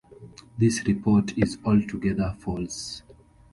This report is altogether false.